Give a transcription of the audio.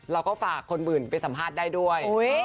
เราก็ฝากคนอื่นไปสัมภาษณ์ได้ด้วย